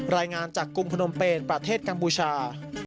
รายงานจากกรุงพนมเปญประเทศกัมพูชา